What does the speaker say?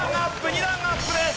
２段アップです。